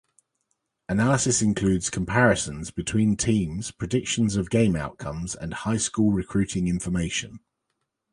Analysis includes comparisons between teams, predictions of game outcomes and high-school recruiting information.